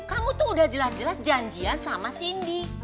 kamu tuh udah jelas jelas janjian sama cindy